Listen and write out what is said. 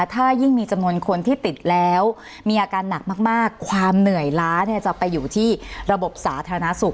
ถ้ายิ่งมีจำนวนคนที่ติดแล้วมีอาการหนักมากความเหนื่อยล้าจะไปอยู่ที่ระบบสาธารณสุข